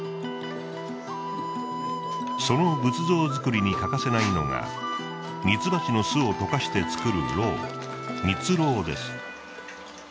その仏像作りに欠かせないのがミツバチの巣を溶かして作るロウミツロウです。